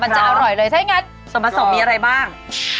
จะอร่อยเลยถ้าอย่างนั้นส่วนผสมมีอะไรบ้าง